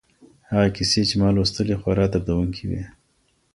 هغه کیسې چي ما لوستلې خورا دردونکي وې.